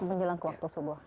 menjelang ke waktu subuh